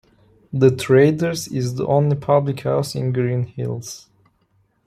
"The Traders" is the only public house in Greenhills.